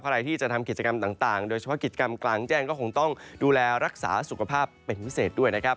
ใครที่จะทำกิจกรรมต่างโดยเฉพาะกิจกรรมกลางแจ้งก็คงต้องดูแลรักษาสุขภาพเป็นพิเศษด้วยนะครับ